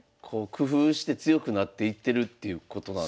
工夫して強くなっていってるっていうことなんですね。